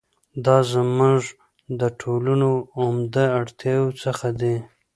دا زموږ د ټولنو عمده اړتیاوو څخه دي.